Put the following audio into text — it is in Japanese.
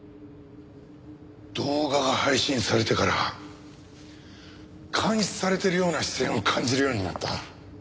動画が配信されてから監視されているような視線を感じるようになった。